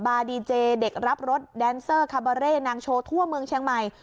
ดีเจเด็กรับรถแดนเซอร์คาบาเร่นางโชว์ทั่วเมืองเชียงใหม่